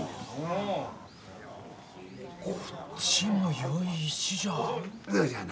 こっちも良い石じゃ。